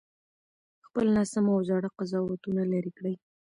خپل ناسم او زاړه قضاوتونه لرې کړئ.